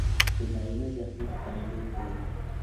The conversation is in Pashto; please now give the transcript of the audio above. د نارينه ذهنيت ښکارندويي کوي.